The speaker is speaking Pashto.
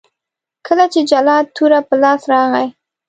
کله چې جلات توره په لاس راغی.